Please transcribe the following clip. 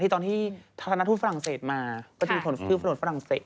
ที่ตอนที่ธนาธุฯฟรั่งเศสมาก็จะมีถนนฝรั่งเศส